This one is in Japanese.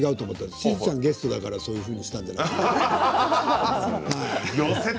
しずちゃんがゲストだから、そういうふうにしたんじゃないかって。